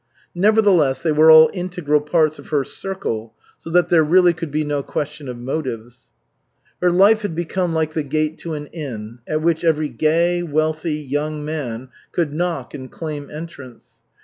Nevertheless, they were all integral parts of her circle, so that there really could be no question of motives. Her life had become like the gate to an inn, at which every gay, wealthy, young man could knock and claim entrance.